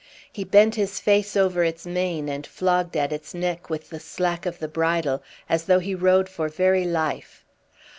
He bent his face over its mane and flogged at its neck with the slack of the bridle, as though he rode for very life.